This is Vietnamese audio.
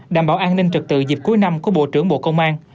đảm bảo an ninh trực tự dịp cuối năm của bộ trưởng bộ công an